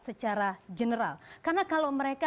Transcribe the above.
secara general karena kalau mereka